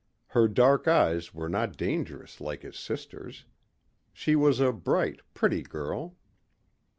Her dark eyes were not dangerous like his sister's. She was a bright, pretty girl.